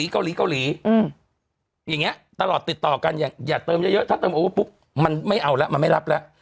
อย่างเงี้ยตลอดติดต่อกันอย่าเติมเยอะถ้าเติมเยอะมันไม่เอาแล้วมันไม่รับแล้ว